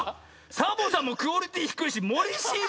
サボさんもクオリティーひくいし森進一